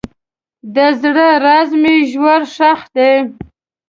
د زړه راز مې ژور ښخ دی.